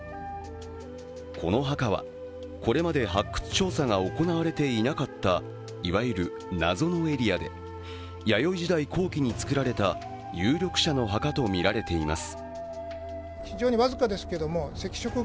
この墓はこれまで発掘調査が行われていなかったいわゆる謎のエリアで弥生時代後期に作られた有力者の墓とみられています。